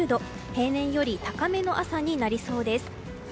平年より高めの朝になりそうです。